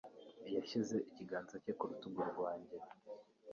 Yashyize ikiganza cye ku rutugu rwanjye.